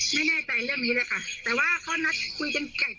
ไม่แน่ใจเรื่องนี้เลยค่ะแต่ว่าเขานัดคุยกันไก่